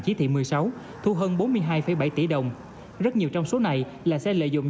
chỉ thị một mươi sáu thu hơn bốn mươi hai bảy tỷ đồng rất nhiều trong số này là xe lợi dụng